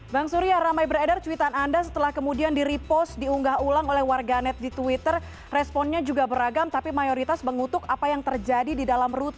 bang surya selamat malam